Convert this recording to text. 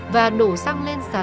và đổ xăng lên sàn bàn